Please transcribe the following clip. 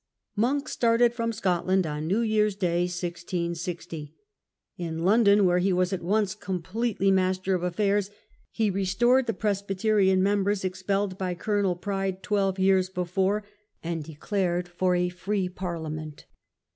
Monk started from Scotland on New year's Day, 1660. In London, where he was at once completely master of His march to affairs, he restored the Presbyterian members London. expelled by Colonel Pride twelve years before, and declared for a free Parliament.